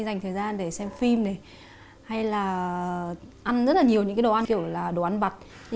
dành thời gian để xem phim này hay là ăn rất là nhiều những cái đồ ăn kiểu là đoán vặt như